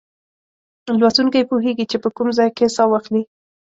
لوستونکی پوهیږي چې په کوم ځای کې سا واخلي.